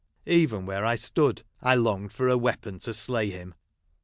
Even where I stood I longed for a weapon to slay him.